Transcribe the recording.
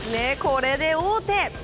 これで王手。